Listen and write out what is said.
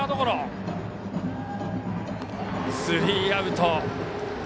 スリーアウト。